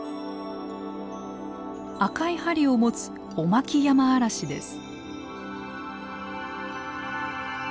赤い針を持つオマキヤマアラシです。